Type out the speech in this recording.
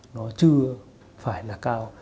nó chưa phải là cao